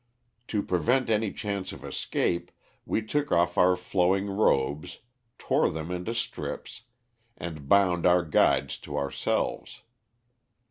"To prevent any chance of escape, we took off our flowing robes, tore them into strips, and bound our guides to ourselves.